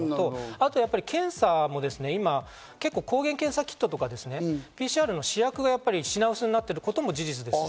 あと検査も、今結構、抗原検査キットとかＰＣＲの試薬が品薄になっていることも事実です。